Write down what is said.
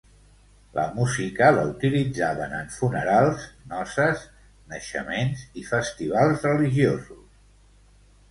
La música la utilitzaven en funerals, noces, naixements i festivals religiosos.